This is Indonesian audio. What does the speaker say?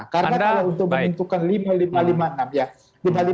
karena kalau untuk menentukan lima ribu lima ratus lima puluh enam ya